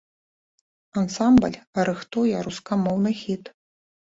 Ансамбль рыхтуе рускамоўны хіт.